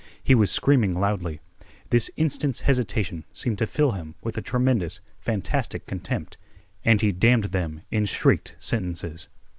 He was screaming loudly. This instant's hesitation seemed to fill him with a tremendous, fantastic contempt, and he damned them in shrieked sentences.